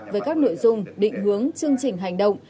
với các nội dung định hướng chương trình hành động